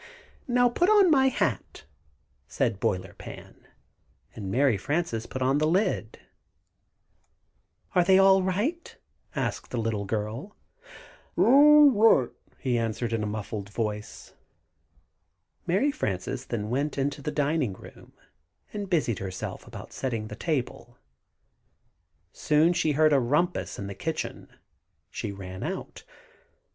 "Now, put on my hat," said Boiler Pan, and Mary Frances put on the lid. "Are they all right?" asked the little girl. [Illustration: Swelling with pride.] "All right!" he answered in a muffled voice. Mary Frances then went in the dining room, and busied herself about setting the table. Soon, she heard a "rumpus" in the kitchen. She ran out.